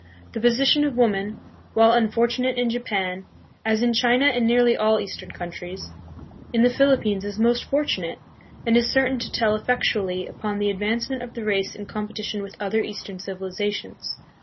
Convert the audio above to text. The position of woman, while unfortunate in Japan, as in China and nearly all eastern countries, in the Philippines is most fortunate, and is certain to tell effectually upon the advancement of the race in competi tion with other eastern civilizations.